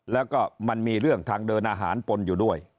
แล้วก็มันมีเรื่องทางเดินอาหารปนอยู่ด้วย